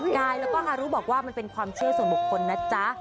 กายแล้วก็ฮารุบอกว่ามันเป็นความเชื่อส่วนบุคคลนะจ๊ะ